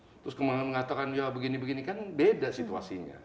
terus mengatakan ya begini begini kan beda situasinya